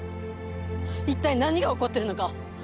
一体何が起こってるのか。